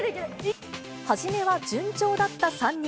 初めは順調だった３人。